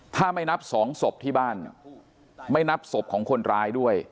ถ้าไม่นับสองศพที่บ้านไม่นับศพของคนร้ายด้วย